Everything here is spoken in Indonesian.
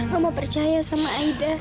mama percaya sama aida